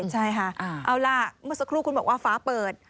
ใช่ค่ะเอาล่ะเมื่อสักครู่คุณบอกว่าฟ้าเปิด